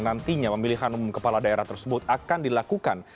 nantinya pemilihan umum kepala daerah tersebut akan dilakukan